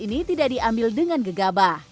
ini tidak diambil dengan gegabah